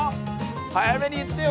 早めに言ってよ